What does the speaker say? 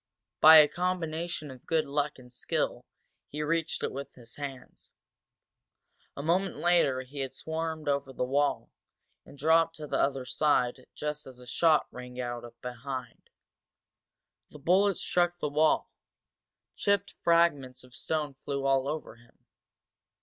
By a combination of good luck and skill he reached it with his hands. A moment later he had swarmed over the wall and dropped to the other side just as a shot rang out behind. The bullet struck the wall, chipped fragments of stone flew all over him.